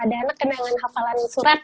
ada anak yang pengen hafalan surat